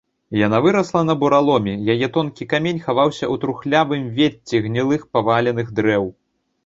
Яна вырасла на бураломе, яе тонкі камель хаваўся ў трухлявым вецці гнілых паваленых дрэў.